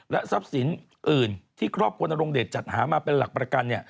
ทรัพย์สินอื่นที่ครอบครัวนรงเดชจัดหามาเป็นหลักประกัน